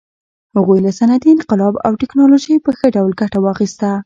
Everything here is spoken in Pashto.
هغوی له صنعتي انقلاب او ټکنالوژۍ په ښه ډول ګټه واخیسته.